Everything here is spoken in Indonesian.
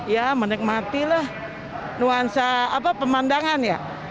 ya menikmati lah nuansa pemandangan ya